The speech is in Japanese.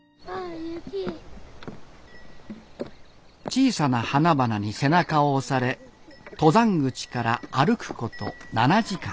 小さな花々に背中を押され登山口から歩くこと７時間。